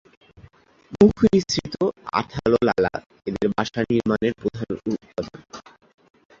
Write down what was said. মুখ-নিঃসৃত আঠালো লালা এদের বাসা নির্মাণের প্রধান উপাদান।